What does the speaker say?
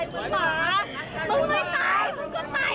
นี่กลัวเหมือนหมามันจะต้องตายเหมือนหมา